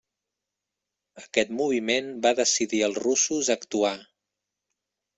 Aquest moviment va decidir als russos a actuar.